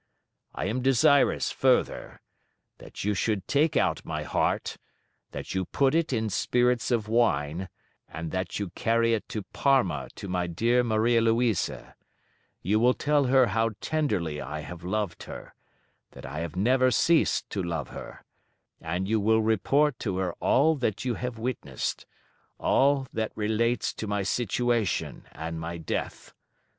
I am desirous, further, that you should take out my heart, that you put it in spirits of wine, and that you carry it to Parma to my dear Maria Louisa: you will tell her how tenderly I have loved her, that I have never ceased to love her; and you will report to her all that you have witnessed, all that relates to my situation and my death.